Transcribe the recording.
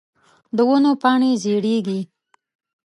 د ونو پاڼی زیړیږې